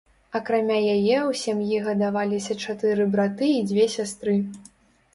Акрамя яе ў сям'і гадаваліся чатыры браты і дзве сястры.